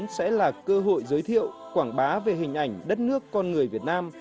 sẽ là cơ hội giới thiệu quảng bá về hình ảnh đất nước con người việt nam